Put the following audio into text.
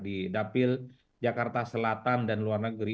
di dapil jakarta selatan dan luar negeri